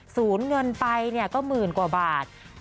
ศูนย์เงินไปก็หมื่นกว่าบาท